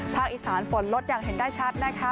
อีสานฝนลดอย่างเห็นได้ชัดนะคะ